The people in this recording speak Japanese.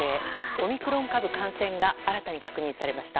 オミクロン株感染が新たに確認されました。